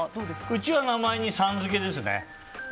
うちは名前にさん付けですね。